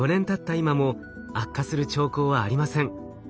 今も悪化する兆候はありません。